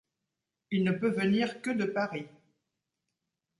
Il ne peut venir que de Paris.